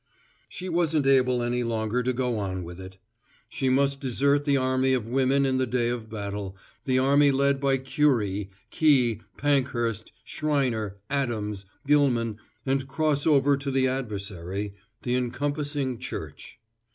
She wasn't able any longer to go on with it. She must desert the army of women in the day of battle, the army led by Curie, Key, Pankhurst, Schreiner, Addams, Gilman, and cross over to the adversary, the encompassing Church.